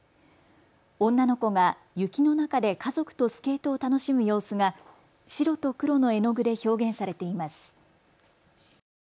女の子が雪の中で家族とスケートを楽しむ様子が白と黒の絵の具で表現されています。